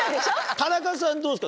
田中さんどうですか？